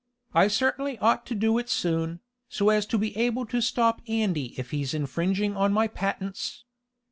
"I certainly ought to do it soon, so as to be able to stop Andy if he's infringing on my patents.